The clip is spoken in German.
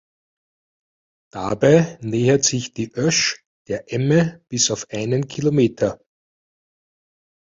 Dabei nähert sich die Ösch der Emme bis auf einen Kilometer.